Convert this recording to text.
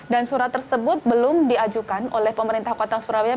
dan surat tersebut belum diajukan oleh pemerintah kota surabaya